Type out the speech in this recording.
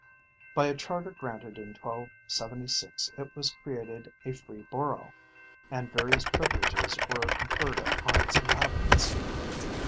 By a charter granted in 1276 it was created a free borough, and various privileges were conferred on its inhabitants.